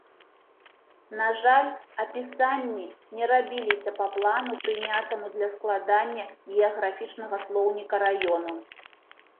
На жаль, апісанні не рабіліся па плану, прынятаму для складання геаграфічнага слоўніка раёну.